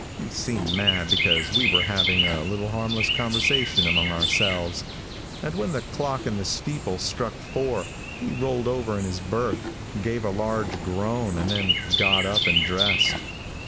He seemed mad because we were having a little harmless conversation among ourselves, and when the clock in the steeple struck four he rolled over in his berth, gave a large groan and then got up and dressed.